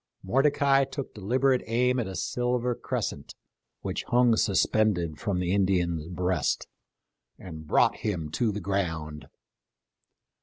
Mordecai took deliberate aim at a silver crescent which hung suspended from the Indian's breast, and brought him to the ground.